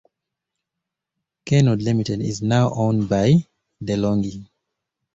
Kenwood Limited is now owned by DeLonghi.